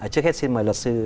trước hết xin mời luật sư